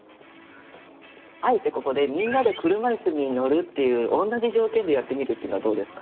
あえてここでみんなで車いすに乗るっていうおんなじ条件でやってみるっていうのはどうですか？